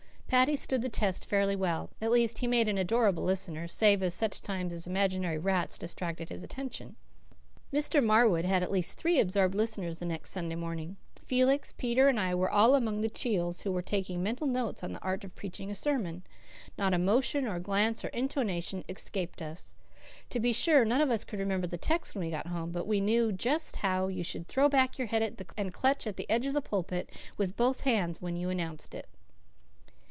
Paddy stood the test fairly well. At least, he made an adorable listener, save at such times as imaginary rats distracted his attention. Mr. Marwood had at least three absorbed listeners the next Sunday morning. Felix, Peter and I were all among the chiels who were taking mental notes on the art of preaching a sermon. Not a motion, or glance, or intonation escaped us. To be sure, none of us could remember the text when we got home; but we knew just how you should throw back your head and clutch the edge of the pulpit with both hands when you announced it.